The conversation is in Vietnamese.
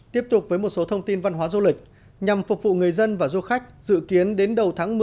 tiếp tục với một số thông tin văn hóa du lịch nhằm phục vụ người dân và du khách dự kiến đến đầu tháng một mươi